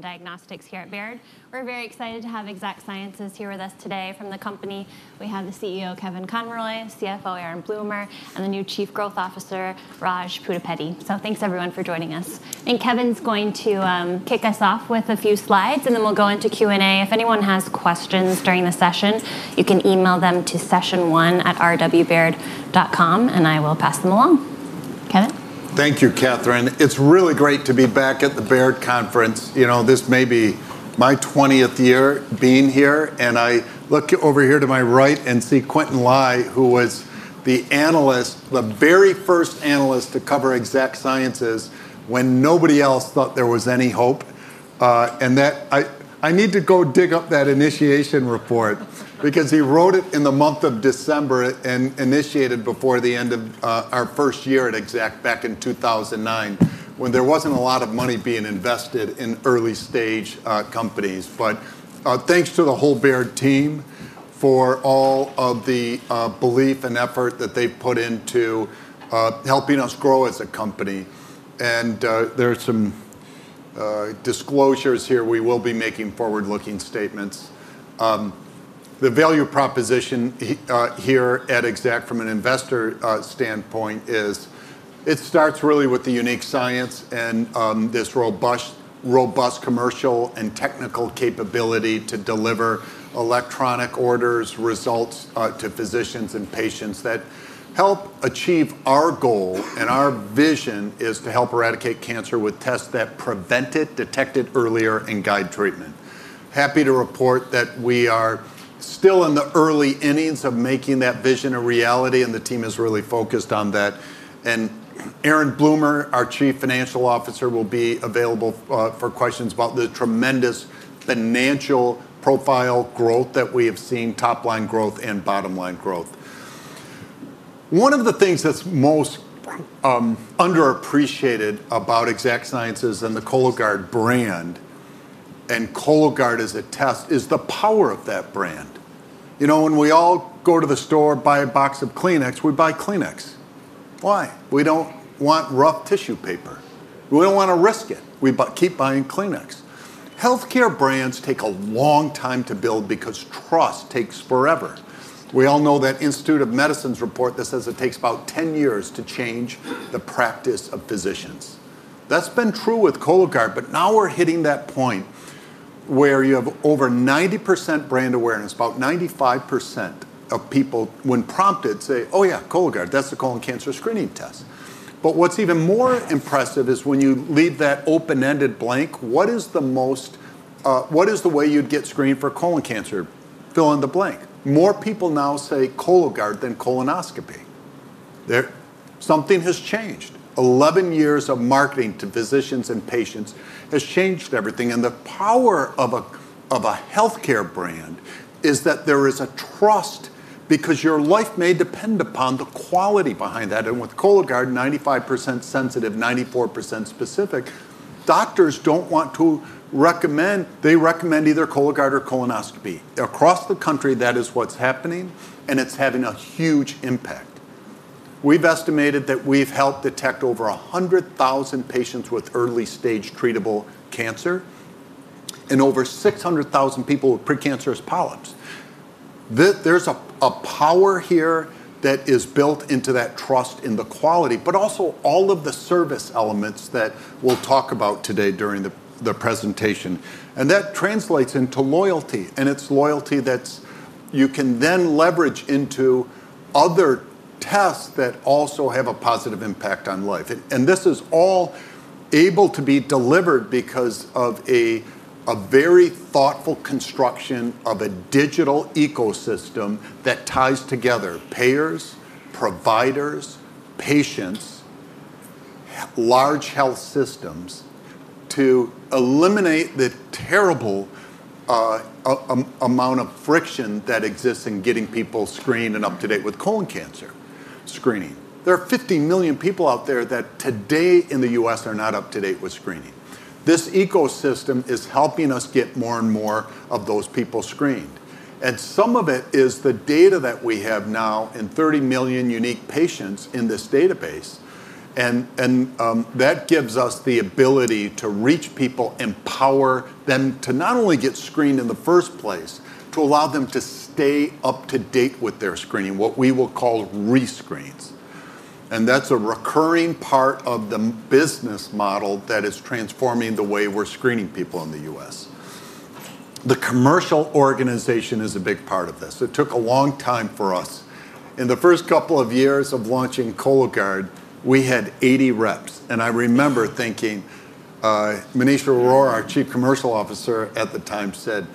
Diagnostics here at Baird. We're very excited to have Exact Sciences here with us today from the company. We have the CEO Kevin Conroy, CFO Aaron Bloomer, and the new Chief Growth Officer, Raj Pudapedi. Thanks everyone for joining us. Kevin's going to kick us off with a few slides, and then we'll go into Q&A. If anyone has questions during the session, you can email them to session1@rwbaird.com, and I will pass them along. Kevin? Thank you, Katherine. It's really great to be back at the Baird Conference. This may be my 20th year being here, and I look over here to my right and see Quentin Lai, who was the analyst, the very first analyst to cover Exact Sciences when nobody else thought there was any hope. I need to go dig up that initiation report because he wrote it in the month of December and initiated before the end of our first year at Exact Sciences back in 2009, when there wasn't a lot of money being invested in early-stage companies. Thanks to the whole Baird team for all of the belief and effort that they've put into helping us grow as a company. There are some disclosures here. We will be making forward-looking statements. The value proposition here at Exact Sciences from an investor standpoint is it starts really with the unique science and this robust commercial and technical capability to deliver electronic orders results to physicians and patients that help achieve our goal. Our vision is to help eradicate cancer with tests that prevent it, detect it earlier, and guide treatment. Happy to report that we are still in the early innings of making that vision a reality, and the team is really focused on that. Aaron Bloomer, our Chief Financial Officer, will be available for questions about the tremendous financial profile growth that we have seen, top-line growth and bottom-line growth. One of the things that's most underappreciated about Exact Sciences and the Cologuard brand, and Cologuard is a test, is the power of that brand. When we all go to the store, buy a box of Kleenex, we buy Kleenex. Why? We don't want rough tissue paper. We don't want to risk it. We keep buying Kleenex. Healthcare brands take a long time to build because trust takes forever. We all know that Institute of Medicine's report that says it takes about 10 years to change the practice of physicians. That's been true with Cologuard, but now we're hitting that point where you have over 90% brand awareness. About 95% of people, when prompted, say, "Oh yeah, Cologuard, that's the colon cancer screening test." What's even more impressive is when you leave that open-ended blank, what is the most, what is the way you'd get screened for colon cancer? Fill in the blank. More people now say Cologuard than colonoscopy. Something has changed. 11 years of marketing to physicians and patients has changed everything. The power of a healthcare brand is that there is a trust because your life may depend upon the quality behind that. With Cologuard, 95% sensitive, 94% specific, doctors do not want to recommend. They recommend either Cologuard or colonoscopy. Across the country, that is what is happening, and it is having a huge impact. We have estimated that we have helped detect over 100,000 patients with early-stage treatable cancer and over 600,000 people with precancerous polyps. There is a power here that is built into that trust in the quality, but also all of the service elements that we will talk about today during the presentation. That translates into loyalty, and it is loyalty that you can then leverage into other tests that also have a positive impact on life. This is all able to be delivered because of a very thoughtful construction of a digital ecosystem that ties together payers, providers, patients, large health systems to eliminate the terrible amount of friction that exists in getting people screened and up to date with colon cancer screening. There are 50 million people out there that today in the U.S. are not up to date with screening. This ecosystem is helping us get more and more of those people screened. Some of it is the data that we have now in 30 million unique patients in this database. That gives us the ability to reach people, empower them to not only get screened in the first place, to allow them to stay up to date with their screening, what we will call rescreens. That is a recurring part of the business model that is transforming the way we are screening people in the U.S. The commercial organization is a big part of this. It took a long time for us. In the first couple of years of launching Cologuard, we had 80 reps. I remember thinking, Maneesh Arora, our Chief Commercial Officer at the time, said,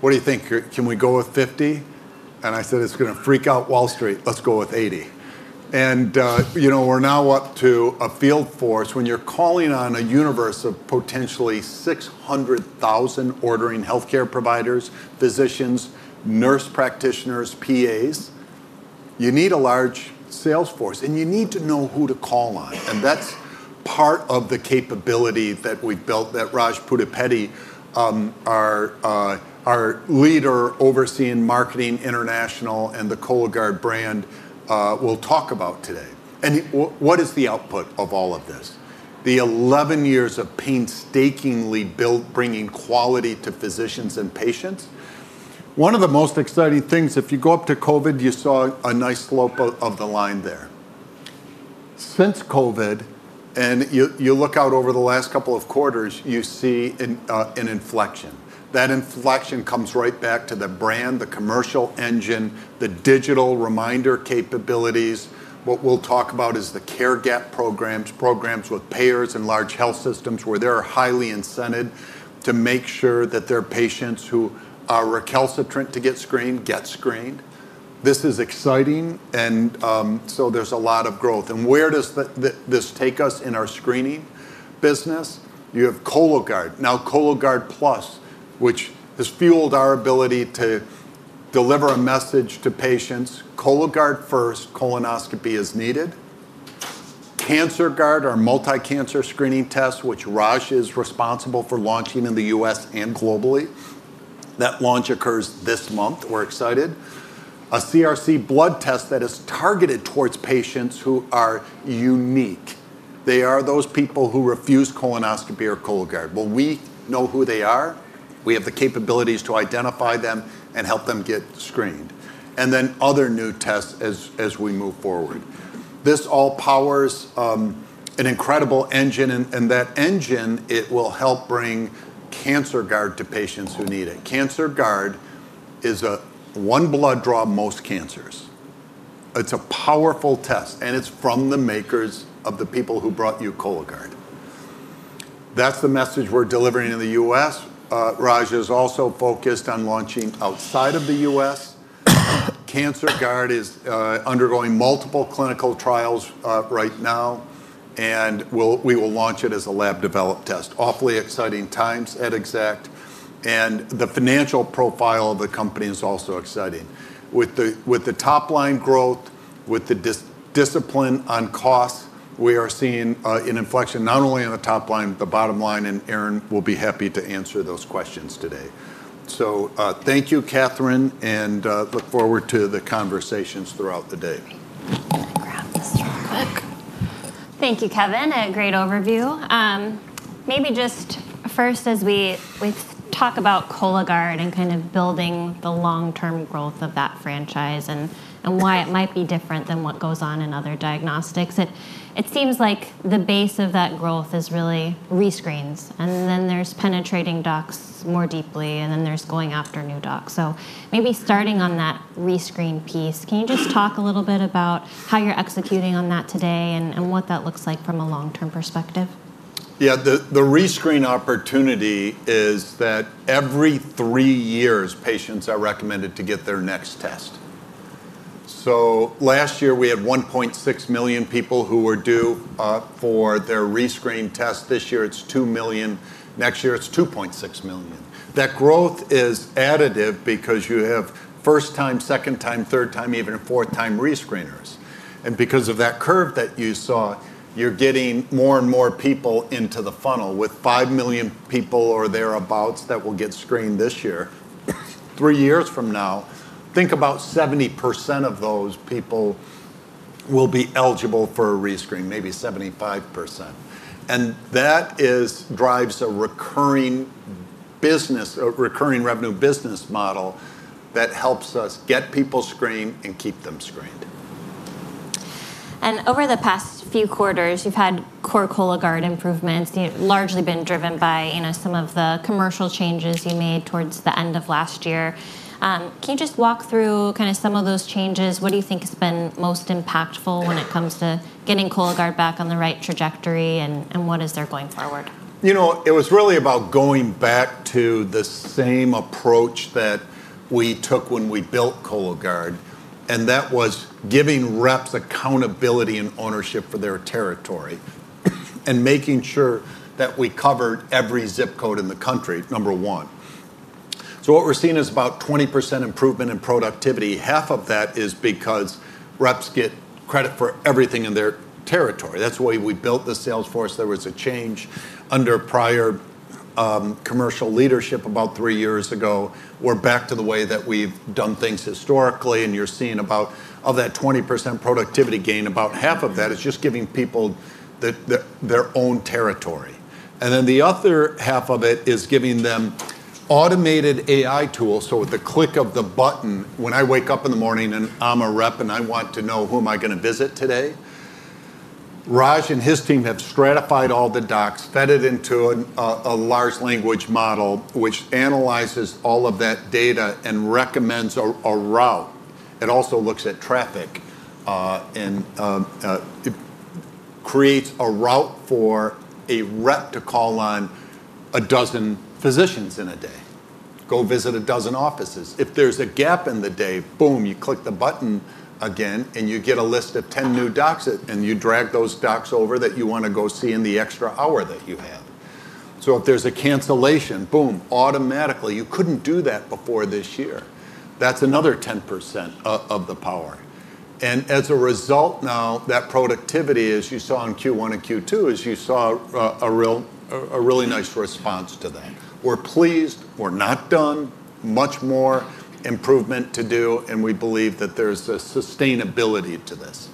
"What do you think? Can we go with 50?" I said, "It is going to freak out Wall Street. Let's go with 80." We are now up to a field force. When you are calling on a universe of potentially 600,000 ordering healthcare providers, physicians, nurse practitioners, PAs, you need a large sales force, and you need to know who to call on. That is part of the capability that we built that Raj Pudapedi, our leader overseeing marketing international and the Cologuard brand, will talk about today. What is the output of all of this? The 11 years of painstakingly building, bringing quality to physicians and patients. One of the most exciting things, if you go up to COVID, you saw a nice slope of the line there. Since COVID, and you look out over the last couple of quarters, you see an inflection. That inflection comes right back to the brand, the commercial engine, the digital reminder capabilities. What we'll talk about is the Care Gap programs with payers and large health systems where they're highly incented to make sure that their patients who are recalcitrant to get screened get screened. This is exciting. There's a lot of growth. Where does this take us in our screening business? You have Cologuard, now Cologuard Plus, which has fueled our ability to deliver a message to patients. Cologuard first, colonoscopy is needed. CancerGuard, our multi-cancer screening test, which Raj is responsible for launching in the U.S. and globally. That launch occurs this month. We're excited. A CRC blood test that is targeted towards patients who are unique. They are those people who refuse colonoscopy or Cologuard. We know who they are. We have the capabilities to identify them and help them get screened. Other new tests as we move forward. This all powers an incredible engine, and that engine will help bring CancerGuard to patients who need it. CancerGuard is a one blood draw, most cancers. It's a powerful test, and it's from the makers of the people who brought you Cologuard. That's the message we're delivering in the U.S. Raj is also focused on launching outside of the U.S. CancerGuard is undergoing multiple clinical trials right now, and we will launch it as a lab-developed test. Awfully exciting times at Exact Sciences. The financial profile of the company is also exciting. With the top-line growth, with the discipline on costs, we are seeing an inflection not only on the top line, the bottom line, and Aaron will be happy to answer those questions today. Thank you, Katherine, and look forward to the conversations throughout the day. All right, let's go quick. Thank you, Kevin. A great overview. Maybe just first, as we talk about Cologuard and kind of building the long-term growth of that franchise and why it might be different than what goes on in other diagnostics, it seems like the base of that growth is really rescreens. Then there's penetrating docs more deeply, and there's going after new docs. Maybe starting on that rescreen piece, can you just talk a little bit about how you're executing on that today and what that looks like from a long-term perspective? Yeah, the rescreen opportunity is that every three years, patients are recommended to get their next test. Last year, we had 1.6 million people who were due for their rescreen test. This year, it's 2 million. Next year, it's 2.6 million. That growth is additive because you have first time, second time, third time, even fourth time rescreeners. Because of that curve that you saw, you're getting more and more people into the funnel. With 5 million people or thereabouts that will get screened this year, three years from now, think about 70% of those people will be eligible for a rescreen, maybe 75%. That drives a recurring business, a recurring revenue business model that helps us get people screened and keep them screened. Over the past few quarters, you've had core Cologuard improvements, largely been driven by some of the commercial changes you made towards the end of last year. Can you just walk through kind of some of those changes? What do you think has been most impactful when it comes to getting Cologuard back on the right trajectory? What is there going forward? You know, it was really about going back to the same approach that we took when we built Cologuard. That was giving reps accountability and ownership for their territory and making sure that we covered every zip code in the country, number one. What we're seeing is about 20% improvement in productivity. Half of that is because reps get credit for everything in their territory. That's the way we built the sales force. There was a change under prior commercial leadership about three years ago. We're back to the way that we've done things historically. You're seeing, of that 20% productivity gain, about half of that is just giving people their own territory. The other half of it is giving them automated AI tools. With the click of a button, when I wake up in the morning and I'm a rep and I want to know who am I going to visit today, Raj and his team have stratified all the docs, fed it into a large language model, which analyzes all of that data and recommends a route. It also looks at traffic and creates a route for a rep to call on a dozen physicians in a day. Go visit a dozen offices. If there's a gap in the day, boom, you click the button again and you get a list of 10 new docs and you drag those docs over that you want to go see in the extra hour that you have. If there's a cancellation, boom, automatically, you couldn't do that before this year. That's another 10% of the power. As a result, now that productivity, as you saw in Q1 and Q2, you saw a really nice response to that. We're pleased. We're not done. Much more improvement to do. We believe that there's a sustainability to this.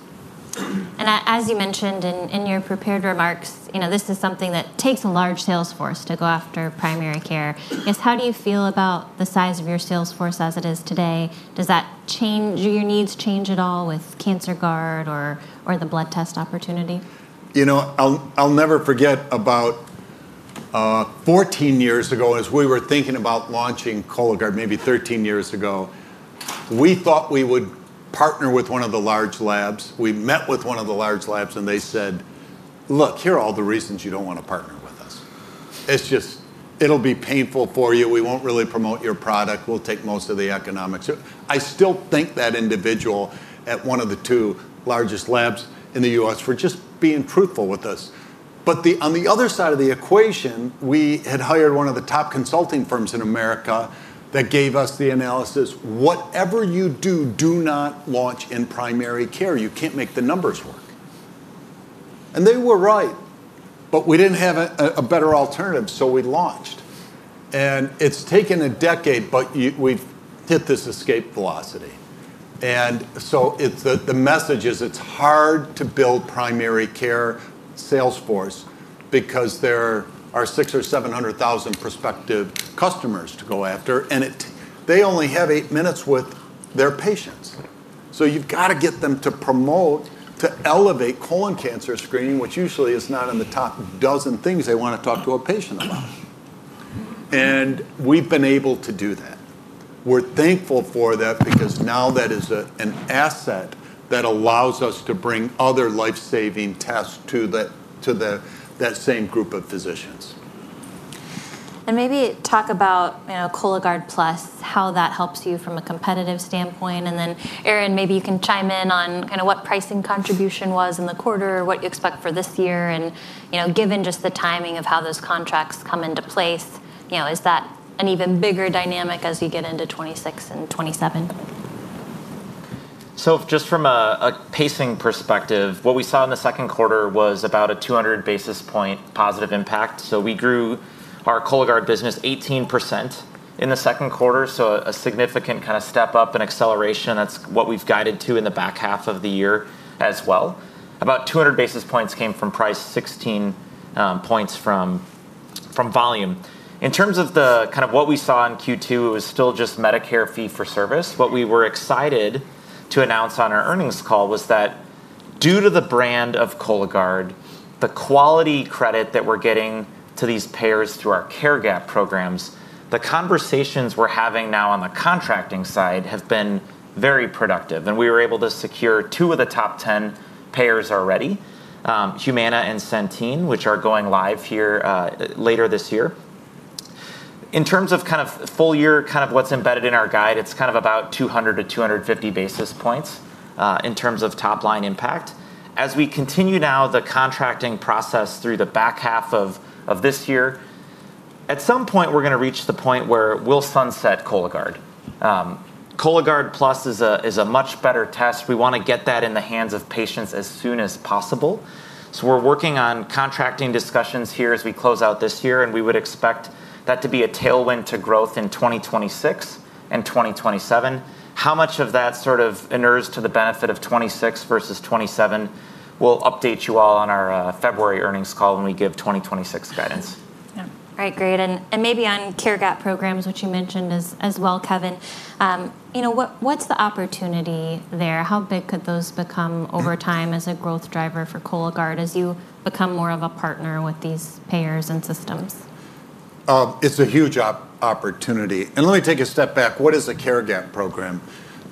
As you mentioned in your prepared remarks, this is something that takes a large sales force to go after primary care. How do you feel about the size of your sales force as it is today? Does that change your needs at all with CancerGuard or the blood test opportunity? You know, I'll never forget about 14 years ago, as we were thinking about launching Cologuard, maybe 13 years ago, we thought we would partner with one of the large labs. We met with one of the large labs and they said, "Look, here are all the reasons you don't want to partner with us. It'll be painful for you. We won't really promote your product. We'll take most of the economics." I still thank that individual at one of the two largest labs in the U.S. for just being truthful with us. On the other side of the equation, we had hired one of the top consulting firms in America that gave us the analysis. Whatever you do, do not launch in primary care. You can't make the numbers work. They were right. We didn't have a better alternative, so we launched. It's taken a decade, but we've hit this escape velocity. The message is it's hard to build primary care sales force because there are six or seven hundred thousand prospective customers to go after, and they only have eight minutes with their patients. You've got to get them to promote, to elevate colon cancer screening, which usually is not in the top dozen things they want to talk to a patient about. We've been able to do that. We're thankful for that because now that is an asset that allows us to bring other life-saving tests to that same group of physicians. Maybe talk about Cologuard Plus, how that helps you from a competitive standpoint. Aaron, maybe you can chime in on kind of what pricing contribution was in the quarter, what you expect for this year. Given just the timing of how those contracts come into place, is that an even bigger dynamic as you get into 2026 and 2027? Just from a pacing perspective, what we saw in the second quarter was about a 200 basis point positive impact. We grew our Cologuard business 18% in the second quarter, a significant kind of step up and acceleration. That's what we've guided to in the back half of the year as well. About 200 basis points came from price, 16 points from volume. In terms of what we saw in Q2, it was still just Medicare fee for service. What we were excited to announce on our earnings call was that due to the brand of Cologuard, the quality credit that we're getting to these payers through our Care Gap programs, the conversations we're having now on the contracting side have been very productive. We were able to secure two of the top 10 payers already, Humana and Centene, which are going live here later this year. In terms of full year, what's embedded in our guide is about 200 to 250 basis points in terms of top-line impact. As we continue now the contracting process through the back half of this year, at some point we're going to reach the point where we'll sunset Cologuard. Cologuard Plus is a much better test. We want to get that in the hands of patients as soon as possible. We're working on contracting discussions here as we close out this year, and we would expect that to be a tailwind to growth in 2026 and 2027. How much of that sort of inures to the benefit of 2026 versus 2027, we'll update you all on our February earnings call when we give 2026 guidance. Great. Maybe on Care Gap programs, which you mentioned as well, Kevin, what's the opportunity there? How big could those become over time as a growth driver for Cologuard as you become more of a partner with these payers and systems? It's a huge opportunity. Let me take a step back. What is a Care Gap program?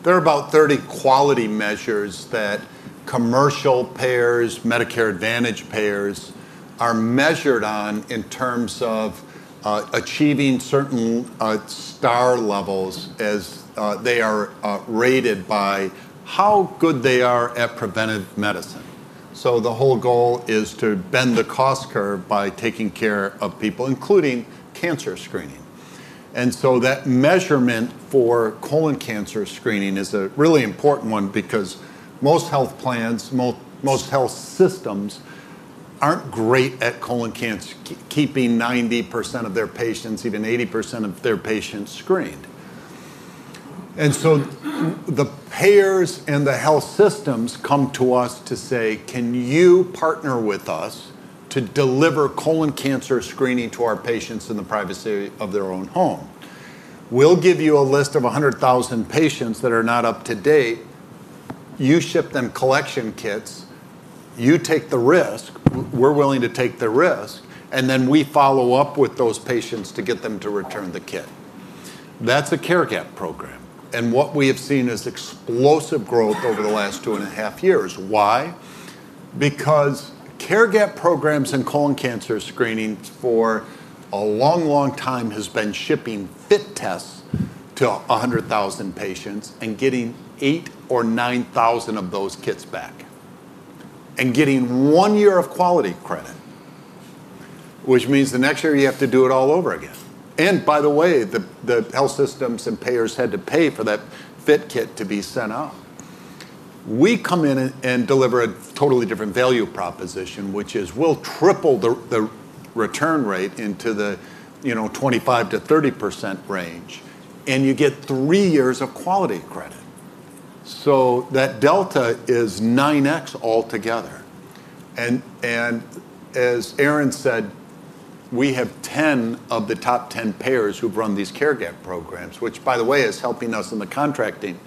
There are about 30 quality measures that commercial payers and Medicare Advantage payers are measured on in terms of achieving certain star levels as they are rated by how good they are at preventive medicine. The whole goal is to bend the cost curve by taking care of people, including cancer screening. That measurement for colon cancer screening is a really important one because most health plans and most health systems aren't great at colon cancer, keeping 90% of their patients, even 80% of their patients, screened. The payers and the health systems come to us to say, can you partner with us to deliver colon cancer screening to our patients in the privacy of their own home? We'll give you a list of 100,000 patients that are not up to date. You ship them collection kits. You take the risk. We're willing to take the risk. We follow up with those patients to get them to return the kit. That's a Care Gap program. What we have seen is explosive growth over the last two and a half years. Why? Care Gap programs and colon cancer screening for a long, long time has been shipping FIT tests to 100,000 patients and getting 8,000 or 9,000 of those kits back and getting one year of quality credit, which means the next year you have to do it all over again. By the way, the health systems and payers had to pay for that FIT kit to be sent off. We come in and deliver a totally different value proposition, which is we'll triple the return rate into the 25% to 30% range, and you get three years of quality credit. That delta is 9x altogether. As Aaron Bloomer said, we have 10 of the top 10 payers who've run these Care Gap programs, which is helping us in the contracting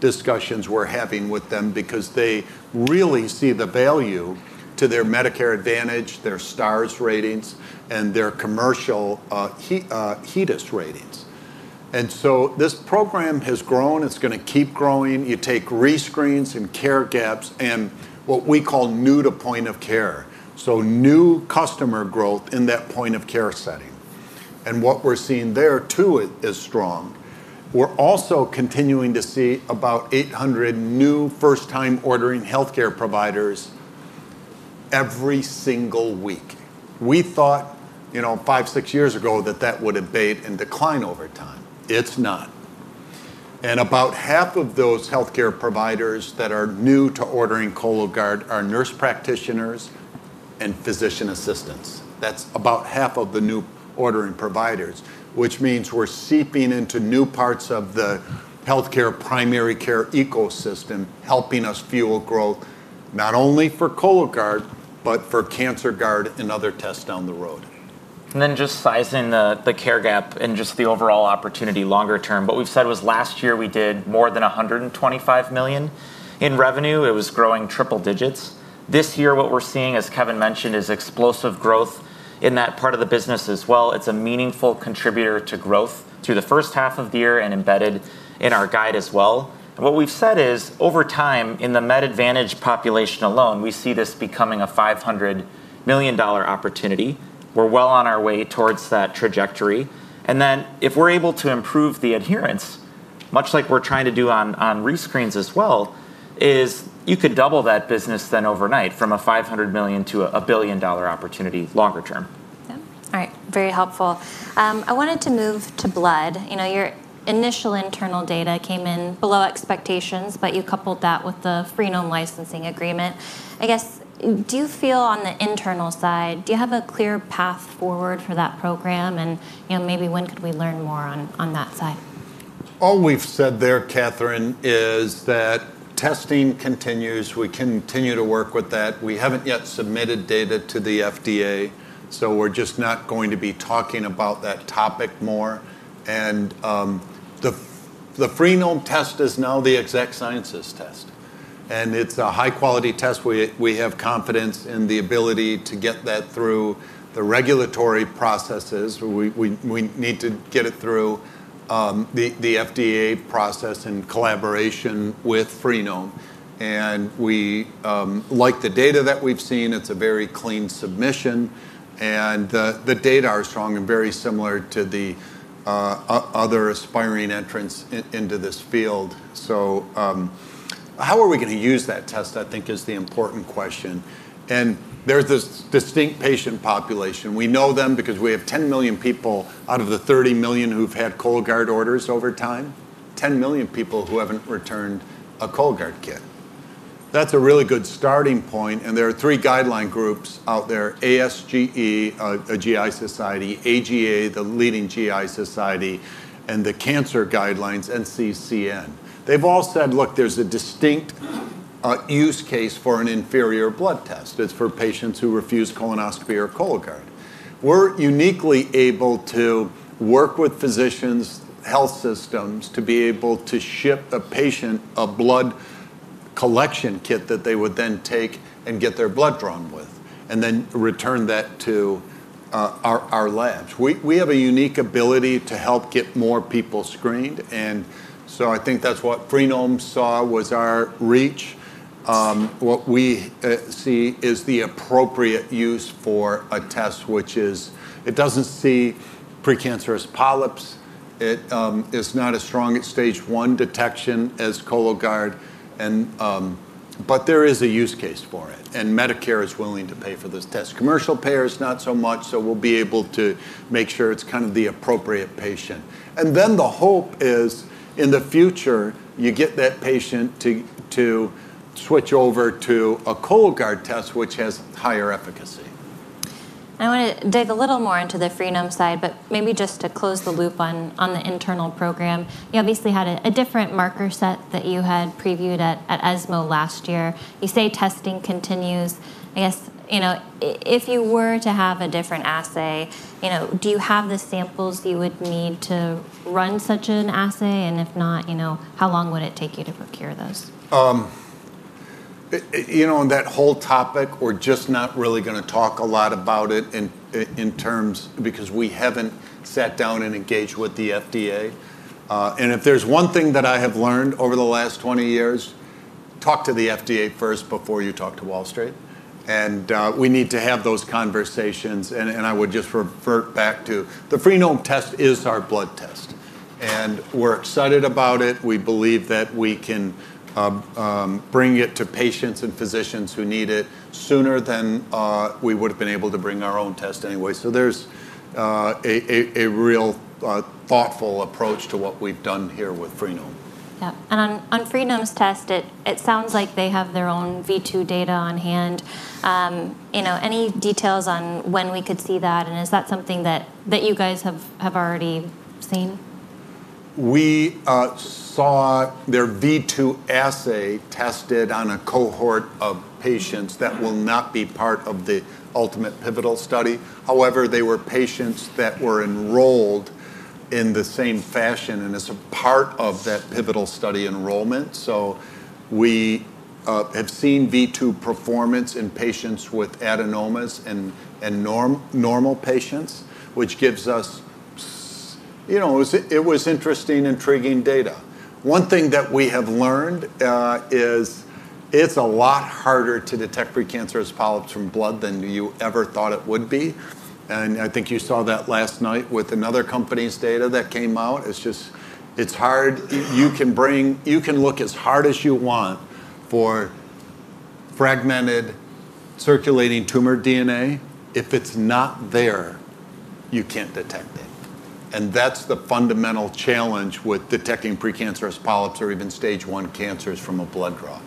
discussions we're having with them because they really see the value to their Medicare Advantage, their STARS ratings, and their commercial HEDIS ratings. This program has grown. It's going to keep growing. You take rescreens and Care Gaps and what we call new to point of care, so new customer growth in that point of care setting, and what we're seeing there too is strong. We're also continuing to see about 800 new first-time ordering healthcare providers every single week. We thought five, six years ago that that would abate and decline over time. It's not. About half of those healthcare providers that are new to ordering Cologuard are nurse practitioners and physician assistants. That's about half of the new ordering providers, which means we're seeping into new parts of the healthcare primary care ecosystem, helping us fuel growth not only for Cologuard, but for CancerGuard and other tests down the road. Just sizing the Care Gap and the overall opportunity longer term, what we've said was last year we did more than $125 million in revenue. It was growing triple digits. This year, what we're seeing, as Kevin mentioned, is explosive growth in that part of the business as well. It's a meaningful contributor to growth through the first half of the year and embedded in our guide as well. What we've said is over time in the Medicare Advantage population alone, we see this becoming a $500 million opportunity. We're well on our way towards that trajectory. If we're able to improve the adherence, much like we're trying to do on rescreens as well, you could double that business then overnight from a $500 million to a $1 billion opportunity longer term. All right, very helpful. I wanted to move to blood. You know, your initial internal data came in below expectations, but you coupled that with the Freenome licensing agreement. I guess, do you feel on the internal side, do you have a clear path forward for that program? Maybe when could we learn more on that side? All we've said there, Katherine, is that testing continues. We continue to work with that. We haven't yet submitted data to the FDA. We're just not going to be talking about that topic more. The Freenome test is now the Exact Sciences test, and it's a high-quality test. We have confidence in the ability to get that through the regulatory processes. We need to get it through the FDA process in collaboration with Freenome. We like the data that we've seen. It's a very clean submission, and the data are strong and very similar to the other aspiring entrants into this field. How we are going to use that test, I think, is the important question. There's this distinct patient population. We know them because we have 10 million people out of the 30 million who've had Cologuard orders over time, 10 million people who haven't returned a Cologuard kit. That's a really good starting point. There are three guideline groups out there: ASGE, a GI society; AGA, the leading GI society; and the Cancer Guidelines, NCCN. They've all said, look, there's a distinct use case for an inferior blood test. It's for patients who refuse colonoscopy or Cologuard. We're uniquely able to work with physicians and health systems to be able to ship a patient a blood collection kit that they would then take and get their blood drawn with and then return that to our labs. We have a unique ability to help get more people screened. I think that's what Freenome saw was our reach. What we see is the appropriate use for a test, which is it doesn't see precancerous polyps. It is not as strong at stage one detection as Cologuard, but there is a use case for it. Medicare is willing to pay for this test. Commercial payers, not so much. We'll be able to make sure it's kind of the appropriate patient, and the hope is in the future, you get that patient to switch over to a Cologuard test, which has higher efficacy. I want to dig a little more into the Freenome side, but maybe just to close the loop on the internal program, you obviously had a different marker set that you had previewed at ESMO last year. You say testing continues. I guess, if you were to have a different assay, do you have the samples you would need to run such an assay? If not, how long would it take you to procure those? You know, in that whole topic, we're just not really going to talk a lot about it in terms because we haven't sat down and engaged with the FDA. If there's one thing that I have learned over the last 20 years, talk to the FDA first before you talk to Wall Street. We need to have those conversations. I would just refer back to the Freenome test as our blood test. We're excited about it. We believe that we can bring it to patients and physicians who need it sooner than we would have been able to bring our own test anyway. There's a real thoughtful approach to what we've done here with Freenome. Yeah, on Freenome's test, it sounds like they have their own V2 data on hand. You know, any details on when we could see that? Is that something that you guys have already seen? We saw their V2 assay tested on a cohort of patients that will not be part of the ultimate pivotal study. However, they were patients that were enrolled in the same fashion, and it's a part of that pivotal study enrollment. We have seen V2 performance in patients with adenomas and normal patients, which gives us, you know, it was interesting, intriguing data. One thing that we have learned is it's a lot harder to detect precancerous polyps from blood than you ever thought it would be. I think you saw that last night with another company's data that came out. It's just, it's hard. You can look as hard as you want for fragmented circulating tumor DNA. If it's not there, you can't detect it. That's the fundamental challenge with detecting precancerous polyps or even stage one cancers from a blood draw.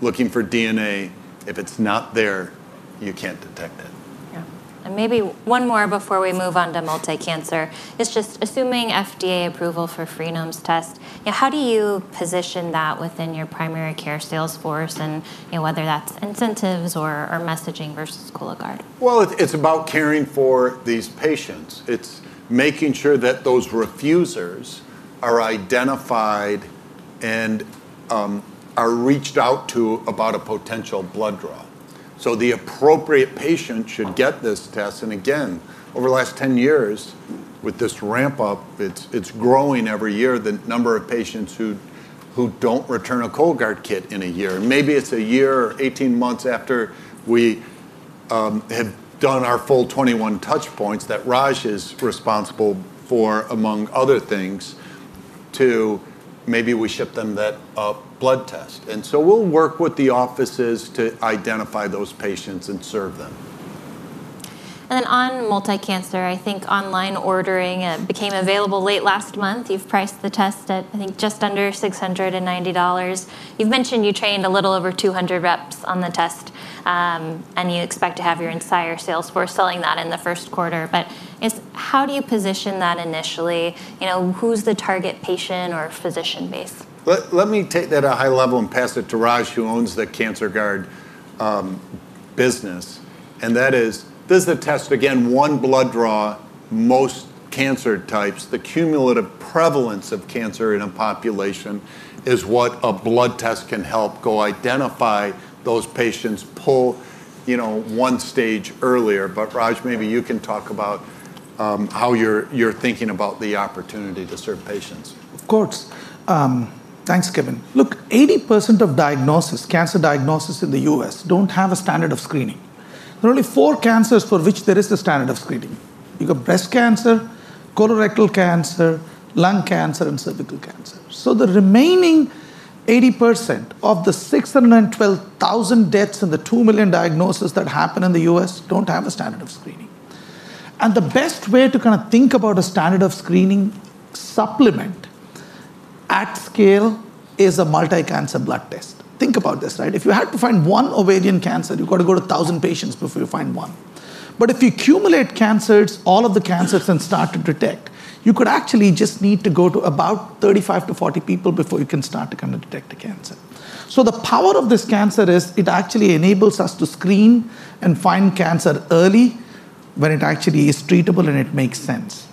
Looking for DNA, if it's not there, you can't detect it. Yeah, and maybe one more before we move on to multi-cancer is just assuming FDA approval for Freenome's test. How do you position that within your primary care sales force, and whether that's incentives or messaging versus Cologuard? It's about caring for these patients. It's making sure that those refusers are identified and are reached out to about a potential blood draw. The appropriate patient should get this test. Over the last 10 years, with this ramp-up, it's growing every year, the number of patients who don't return a Cologuard kit in a year. Maybe it's a year or 18 months after we have done our full 21 touch points that Raj is responsible for, among other things, to maybe we ship them that blood test. We'll work with the offices to identify those patients and serve them. On multicancer, I think online ordering became available late last month. You've priced the test at just under $690. You've mentioned you trained a little over 200 reps on the test, and you expect to have your entire sales force selling that in the first quarter. How do you position that initially? Who's the target patient or physician base? Let me take that at a high level and pass it to Raj, who owns the CancerGuard business. This is the test again, one blood draw, most cancer types, the cumulative prevalence of cancer in a population is what a blood test can help go identify those patients, pull one stage earlier. Raj, maybe you can talk about how you're thinking about the opportunity to serve patients. Of course. Thanks, Kevin. Look, 80% of cancer diagnosis in the U.S. don't have a standard of screening. There are only four cancers for which there is a standard of screening. You've got breast cancer, colorectal cancer, lung cancer, and cervical cancer. The remaining 80% of the 612,000 deaths and the 2 million diagnoses that happen in the U.S. don't have a standard of screening. The best way to kind of think about a standard of screening supplement at scale is a multi-cancer blood test. Think about this, right? If you had to find one ovarian cancer, you've got to go to 1,000 patients before you find one. If you accumulate cancers, all of the cancers, and start to detect, you could actually just need to go to about 35 to 40 people before you can start to kind of detect the cancer. The power of this cancer is it actually enables us to screen and find cancer early when it actually is treatable and it makes sense.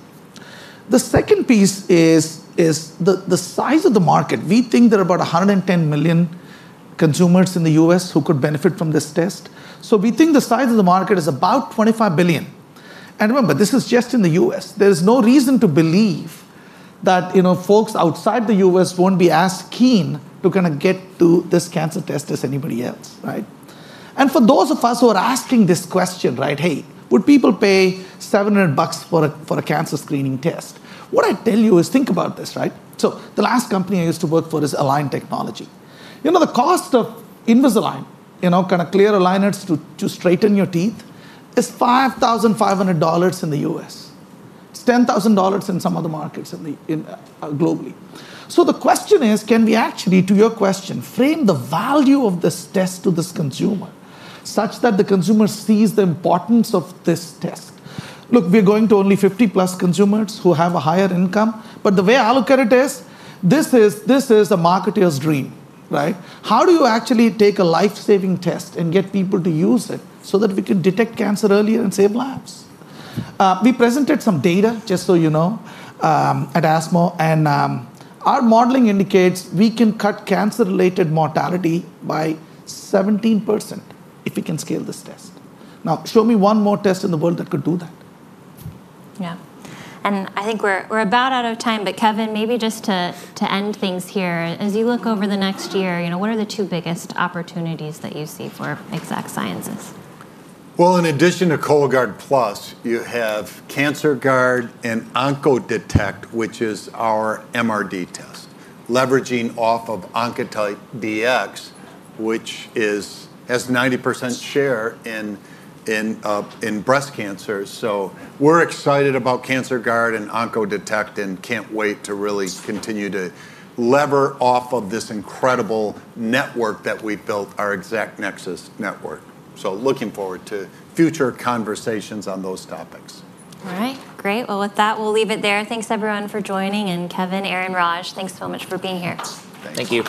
The second piece is the size of the market. We think there are about 110 million consumers in the U.S. who could benefit from this test. We think the size of the market is about $25 billion. Remember, this is just in the U.S. There is no reason to believe that folks outside the U.S. won't be as keen to kind of get to this cancer test as anybody else, right? For those of us who are asking this question, right, hey, would people pay $700 for a cancer screening test? What I tell you is think about this, right? The last company I used to work for is Align Technology. You know, the cost of Invisalign, you know, kind of clear aligners to straighten your teeth, is $5,500 in the U.S. It's $10,000 in some other markets globally. The question is, can we actually, to your question, frame the value of this test to this consumer such that the consumer sees the importance of this test? Look, we're going to only 50 plus consumers who have a higher income. The way I look at it is, this is a marketer's dream, right? How do you actually take a life-saving test and get people to use it so that we can detect cancer earlier and save lives? We presented some data, just so you know, at ESMO. Our modeling indicates we can cut cancer-related mortality by 17% if we can scale this test. Now, show me one more test in the world that could do that. Yeah, I think we're about out of time. Kevin, maybe just to end things here, as you look over the next year, what are the two biggest opportunities that you see for Exact Sciences? In addition to Cologuard Plus, you have CancerGuard and Oncodetect, which is our MRD test, leveraging off of Oncotype DX, which has 90% share in breast cancer. We're excited about CancerGuard and Oncodetect and can't wait to really continue to lever off of this incredible network that we built, our Exact Nexus network. Looking forward to future conversations on those topics. All right, great. With that, we'll leave it there. Thanks, everyone, for joining. Kevin, Aaron, Raj, thanks so much for being here. Thank you.